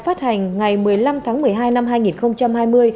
phát hành ngày một mươi năm tháng một mươi hai năm hai nghìn hai mươi